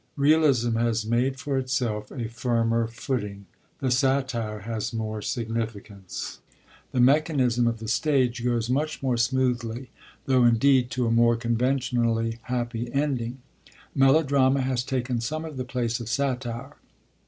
Realism has made for itself a firmer footing; the satire has more significance; the mechanism of the stage goes much more smoothly, though indeed to a more conventionally happy ending; melodrama has taken some of the place of satire.